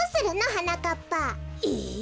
はなかっぱ。え。